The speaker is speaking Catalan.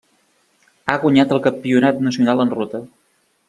Ha guanyat el campionat nacional en ruta.